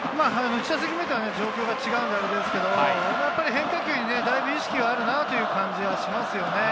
１打席目とは状況が違うのであれですけど変化球にだいぶ意識があるなという感じはしますよね。